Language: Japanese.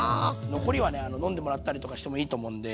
残りはね飲んでもらったりとかしてもいいと思うんで。